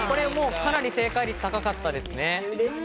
かなり正解率が高かったです。